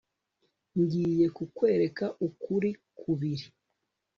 ngiye kukwereka ukuri kubiri